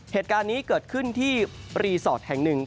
เหตุการณ์นี้เกิดขึ้นที่รีสอร์ทแห่งหนึ่ง